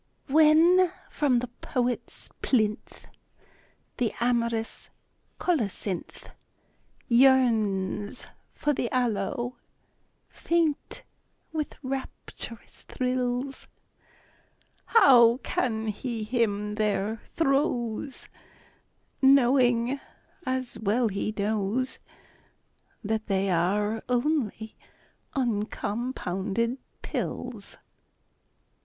When from the poet's plinth The amorous colocynth Yearns for the aloe, faint with rapturous thrills, How can he hymn their throes Knowing, as well he knows, That they are only uncompounded pills?